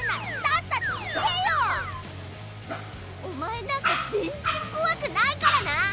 お前なんか全然怖くないからな！